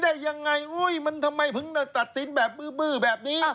ตัดสินอย่างนี้ได้อย่างไรมันทำไมเพิ่งตัดสินแบบบื้อแบบนี้